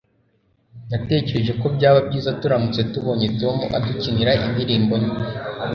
Natekereje ko byaba byiza turamutse tubonye Tom adukinira indirimbo nke